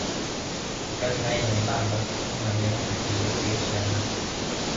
Wakati laini nyembamba wima nyeupe iliwakilisha amani